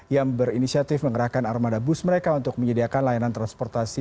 yang berinisiatif mengerahkan armada bus mereka untuk menyediakan layanan transportasi